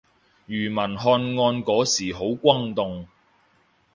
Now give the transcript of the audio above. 庾文翰案嗰時都好轟動